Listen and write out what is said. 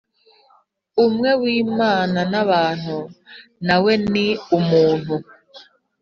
umwe w Imana n abantu na we ni umuntu